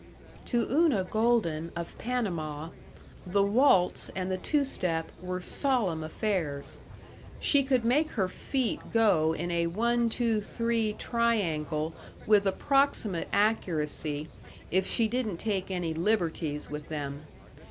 To Una Golden, of Panama, the waltz and the two step were solemn affairs. She could make her feet go in a one two three triangle with approximate accuracy, if she didn't take any liberties with them.